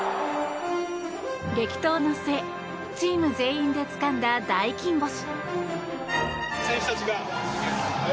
激闘の末チーム全員でつかんだ大金星。